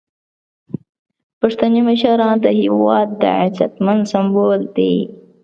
پښتني مشران د هیواد د عظمت سمبول دي.